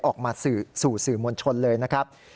ออกมาสู่สื่อมวลชนเลยนะครับ